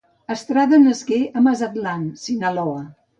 Estrada nasqué a Mazatlán, Sinaloa.